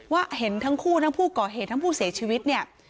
เห็นทั้งคู่ทั้งผู้ก่อเหตุทั้งผู้เสียชีวิตเนี่ย